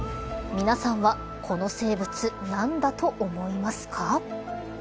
皆さんはこの生物なんだと思いますか。